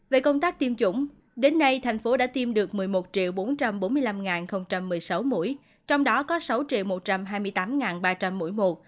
về công tác tiêm chủng đến nay thành phố đã tiêm được một mươi một bốn trăm bốn mươi năm một mươi sáu mũi trong đó có sáu một trăm hai mươi tám ba trăm linh mũi một